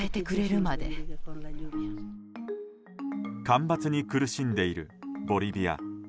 干ばつに苦しんでいるボリビア。